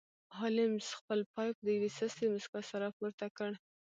هولمز خپل پایپ د یوې سستې موسکا سره پورته کړ